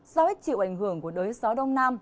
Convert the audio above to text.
do ít chịu ảnh hưởng của đới gió đông nam